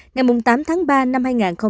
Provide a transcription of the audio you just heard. ngày tám tháng ba năm hai nghìn hai mươi